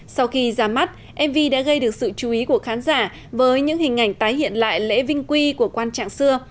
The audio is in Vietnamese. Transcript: sau khi ra mắt mv đã gây được sự chú ý của khán giả với những hình ảnh tái hiện lại lễ vinh quy của quan trạng xưa